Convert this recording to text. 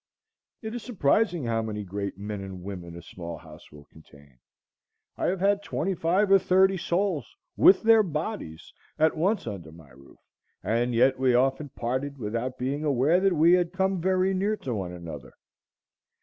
It is surprising how many great men and women a small house will contain. I have had twenty five or thirty souls, with their bodies, at once under my roof, and yet we often parted without being aware that we had come very near to one another.